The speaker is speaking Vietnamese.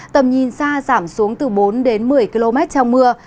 tầm nhìn xa giảm xuống từ bốn đến một mươi km trong mưa